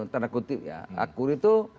tanda kutip ya akur itu